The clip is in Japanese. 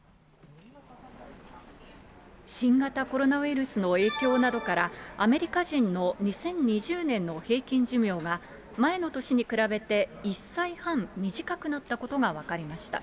新型コロナウイルスの影響などから、アメリカ人の２０２０年の平均寿命が、前の年に比べて、１歳半短くなったことが分かりました。